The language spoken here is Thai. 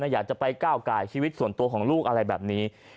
อยากจะไปก้าวไก่ชีวิตส่วนตัวของลูกอะไรแบบนี้